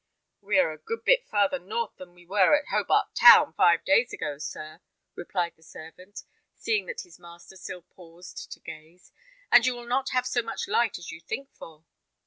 "We are a good bit farther north than we were at Hobart Town, five days ago, sir," replied the servant, seeing that his master still paused to gaze; "and you will not have so much light as you think for."